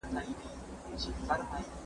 د مینې د پاللو له امله زړونه خوشحاله کیږي.